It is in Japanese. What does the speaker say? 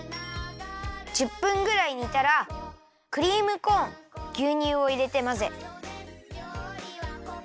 １０分ぐらいにたらクリームコーンぎゅうにゅうをいれてまぜ。